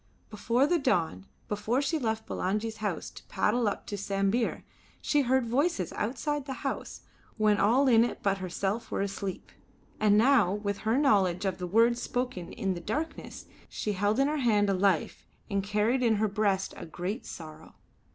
Before the dawn, before she left Bulangi's house to paddle up to Sambir she had heard voices outside the house when all in it but herself were asleep. And now, with her knowledge of the words spoken in the darkness, she held in her hand a life and carried in her breast a great sorrow.